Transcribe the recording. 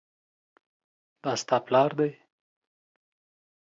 دا ستا پلار دی؟